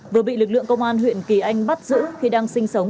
vừa bị lực lượng công an huyện kỳ anh bắt giữ khi đang sinh sống